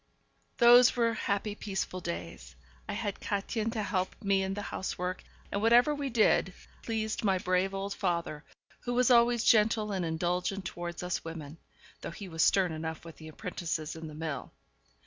Those were happy, peaceful days. I had Kätchen to help me in the housework, and whatever we did pleased my brave old father, who was always gentle and indulgent towards us women, though he was stern enough with the apprentices in the mill.